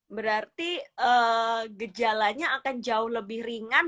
berarti gejalanya akan jauh lebih ringan